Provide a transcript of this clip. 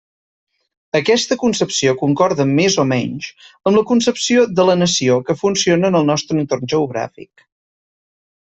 Aquesta concepció concorda més o menys amb la concepció de la nació que funciona en el nostre entorn geogràfic.